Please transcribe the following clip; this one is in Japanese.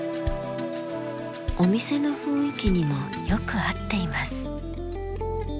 お店の雰囲気にもよく合っています。